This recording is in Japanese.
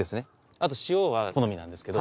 あと塩は好みなんですけど。